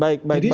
baik baik banget